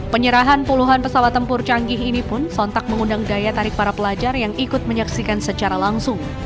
penyerahan puluhan pesawat tempur canggih ini pun sontak mengundang daya tarik para pelajar yang ikut menyaksikan secara langsung